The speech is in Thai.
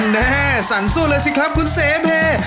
แม่สั่นสู้เลยสิครับคุณเสเพ